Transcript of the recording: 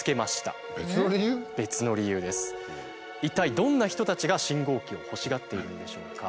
一体どんな人たちが信号機を欲しがっているんでしょうか。